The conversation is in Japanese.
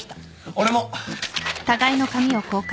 俺も。